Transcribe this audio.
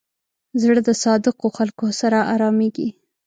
زړه د صادقو خلکو سره آرامېږي.